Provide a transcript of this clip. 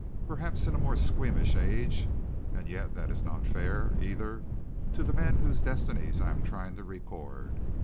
Perhaps in a more squeamish age and yet that is not fair, either, to the men whose destinies I am trying to record.